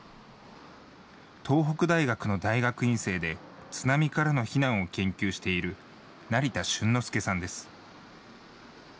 東北大学の大学院生で、津波からの避難を研究している成田峻之輔さんです。